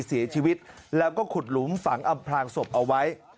เสียชีวิตแล้วก็ขุดหลุมฝังอำพลางศพเอาไว้